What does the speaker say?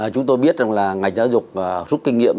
chúng tôi biết rằng là ngành giáo dục rút kinh nghiệm